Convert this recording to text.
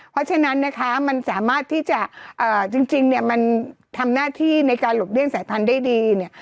เพราะฉะนั้นนะคะมันสามารถที่จะจริงเนี่ยมันทำหน้าที่ในการหลบเลี่ยสายพันธุ์ได้ดีเนี่ย